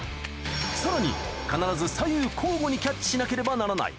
さらに、必ず左右交互にキャッチしなければならない。